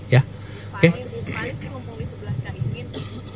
pak anies saya mau memulih sebuah canggih ingin